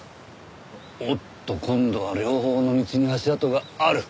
おっと今度は両方の道に足跡がある。